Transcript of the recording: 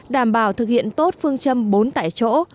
đảm bảo thực hiện tốt phương châm bốn tại chỗ